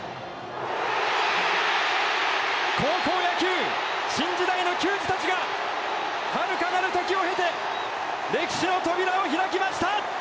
高校野球新時代の球児たちが遥かなる時を経て歴史の扉を開きました！